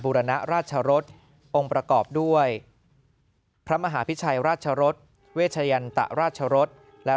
รณราชรสองค์ประกอบด้วยพระมหาพิชัยราชรสเวชยันตราชรสและ